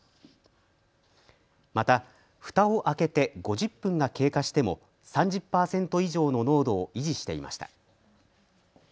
また、ふたを開けて５０分が経過しても３０％以上の濃度を維持していました。